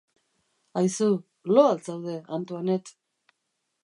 Aizu, lo al zaude, Antoinette?